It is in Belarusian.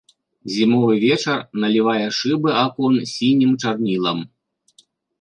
Зімовы вечар налівае шыбы акон сінім чарнілам.